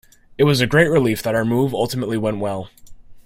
It was a great relief that our move ultimately went well.